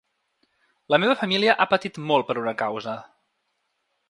La meva família ha patit molt per una causa.